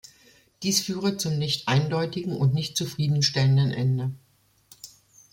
Dies führe zum nicht eindeutigen und nicht zufriedenstellenden Ende.